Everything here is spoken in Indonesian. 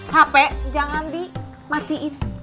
hape jangan dimatiin